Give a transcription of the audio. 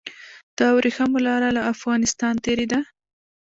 د وریښمو لاره له افغانستان تیریده